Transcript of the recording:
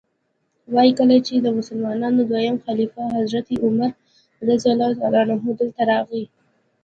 وایي کله چې د مسلمانانو دویم خلیفه حضرت عمر رضی الله عنه دلته راغی.